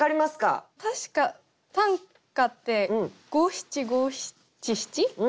確か短歌って五七五七七？